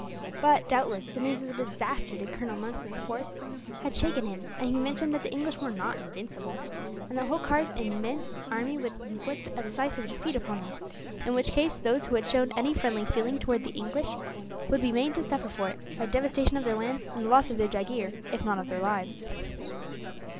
But, doubtless, the news of the disaster to Colonel Monson's force had shaken him; and convinced him that the English were not invincible, and that Holkar's immense army would inflict a decisive defeat upon them, in which case those who had shown any friendly feeling towards the English would be made to suffer for it by devastation of their lands, and the loss of their jagheer, if not of their lives.